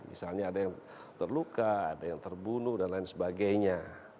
misalnya ada yang terluka ada yang terbunuh dan lain sebagainya